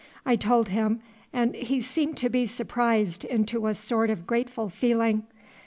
I told him, and he seemed to be surprised into a sort of grateful feeling.